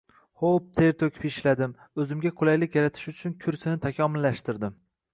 Xo`b ter to`kib ishladim, o`zimga qulaylik yaratish uchun kursini takomillashtirdim